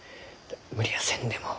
無理はせんでも。